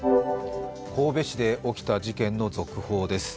神戸市で起きた事件の続報です。